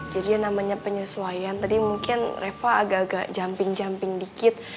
jadi yang namanya penyesuaian tadi mungkin reva agak agak jumping jumping dikit